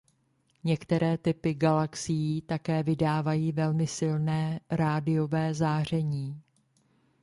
Některé typy galaxií také vydávají velmi silné rádiové záření.